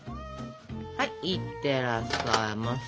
はいいってらっしゃいませ。